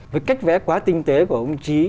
với cách vẽ quá tinh tế của ông trí